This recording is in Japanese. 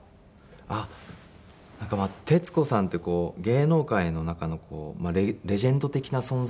あっなんか徹子さんって芸能界の中のレジェンド的な存在だなって